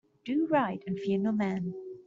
Do right and fear no man.